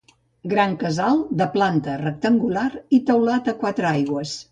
Gran casal de planta rectangular i teulat a quatre aigües.